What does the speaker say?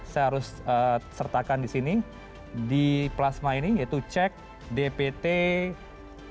saya harus sertakan di sini di plasma ini yaitu cek dpt